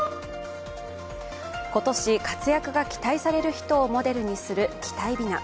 今年、活躍が期待される人をモデルにする期待びな。